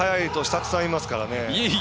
たくさんいますからね。